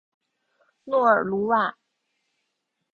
诺尔鲁瓦。